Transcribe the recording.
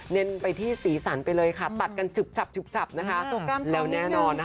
เลนไปที่สีสันไปเลยค่ะตัดกันจุบนะคะทรงกล้ามทองนิดนึงอะไม่สวยแล้วแน่นอนนะคะ